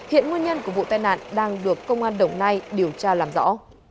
hiện nguyên nhân của vụ tai nạn đang được công an đồng nai điều tra làm rõ